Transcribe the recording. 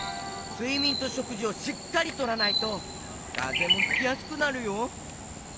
すいみんとしょくじをしっかりとらないとかぜもひきやすくなるよ。